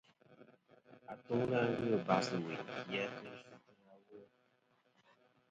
Atuŋlɨ ghɨ abas ɨ wuyn ki a kɨ yvɨtɨ awo.